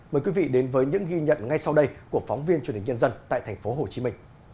mời quý vị đến với những ghi nhận ngay sau đây của phóng viên truyền hình nhân dân tại tp hcm